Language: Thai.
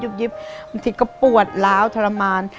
บางทีก็ปวดล้าวทรมาน